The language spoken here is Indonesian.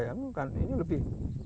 ya mungkin ini lebih